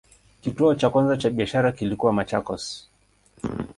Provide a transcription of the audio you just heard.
Kituo cha kwanza cha biashara kilikuwa Machakos.